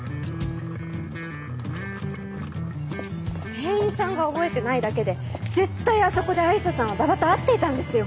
店員さんが覚えてないだけで絶対あそこで愛理沙さんは馬場と会っていたんですよ！